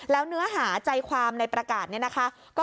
แล้วเนื้อหาใจความในประกาศนี้นะคะ